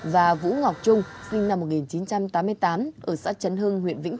và vũ ngọc trung sinh năm một nghìn chín trăm tám mươi tám ở xã trấn hưng huyện vĩnh tường